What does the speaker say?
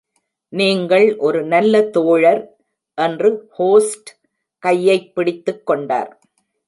‘நீங்கள் ஒரு நல்ல தோழர்’ என்று ஹோஸ்ட் கையைப் பிடித்துக் கொண்டார்.